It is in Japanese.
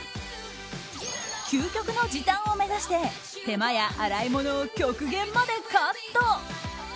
究極の時短を目指して手間や洗い物を極限までカット。